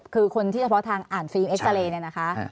คือคนที่เฉพาะทางอ่านฟิล์มเอ็กซาเรย์เนี่ยนะคะ